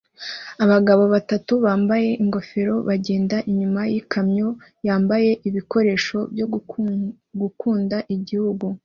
Abagabo batatu bambaye ingofero bagenda inyuma yikamyo yambaye ibikoresho byo gukunda igihugu